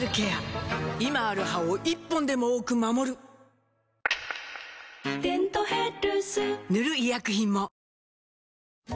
今ある歯を１本でも多く守る「デントヘルス」塗る医薬品もよしこい！